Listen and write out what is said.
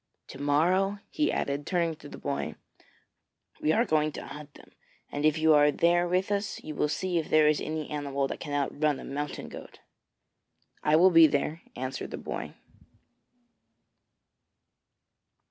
To morrow,' he added, turning to the boy, 'we are going to hunt them, and if you are there with us you will see if there is any animal that can outrun a mountain goat.' 'I will be there,' answered the boy.